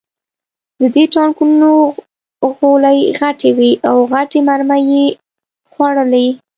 د دې ټانکونو خولې غټې وې او غټې مرمۍ یې خوړلې